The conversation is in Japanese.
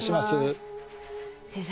先生